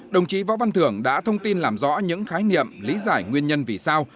đồng chí võ văn thưởng đã thông tin làm rõ những khái niệm lý giải nguyên nhân vì sao